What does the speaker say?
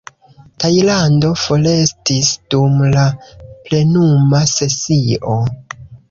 Tajlando forestis dum la plenuma sesio.